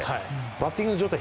バッティングの状態